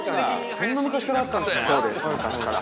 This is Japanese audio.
◆そんな昔からあったんですね。